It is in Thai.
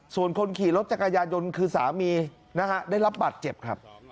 ส่วนคนขี่รถจักรยายนต์คือสามีนะฮะได้รับบาดเจ็บครับ